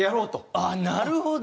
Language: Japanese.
あっなるほど！